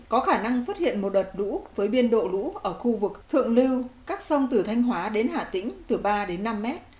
có khả năng xuất hiện một đợt lũ với biên độ lũ ở khu vực thượng lưu các sông từ thanh hóa đến hà tĩnh từ ba đến năm mét